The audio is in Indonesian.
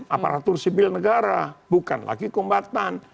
aparatur sipil negara bukan lagi kombatan